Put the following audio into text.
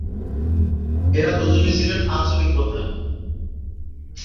এরা দুজনেই ছিলেন আঞ্চলিক প্রধান।